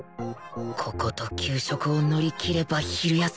ここと給食を乗り切れば昼休みに